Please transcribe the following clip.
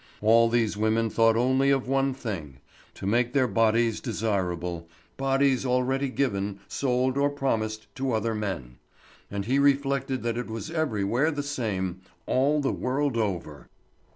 All these women thought only of one thing, to make their bodies desirable—bodies already given, sold, or promised to other men. And he reflected that it was everywhere the same, all the world over.